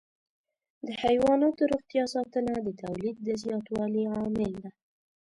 د حيواناتو روغتیا ساتنه د تولید د زیاتوالي عامل ده.